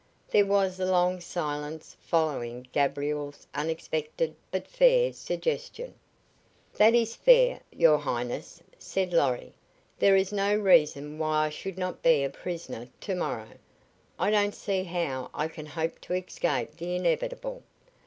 There was a long silence following Gabriel's unexpected but fair suggestion. "That is very fair, your Highness," said Lorry. "There is no reason why I should not be a prisoner to morrow. I don't see how I can hope to escape the inevitable.